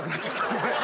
ごめん。